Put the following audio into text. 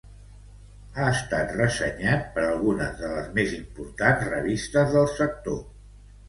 Ha estat ressenyat per algunes de les més importants revistes del sector.